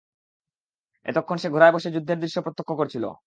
এতক্ষণ সে ঘোড়ায় বসে যুদ্ধের দৃশ্য প্রত্যক্ষ করছিল।